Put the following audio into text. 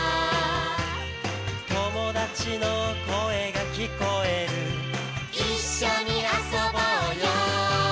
「友達の声が聞こえる」「一緒に遊ぼうよ」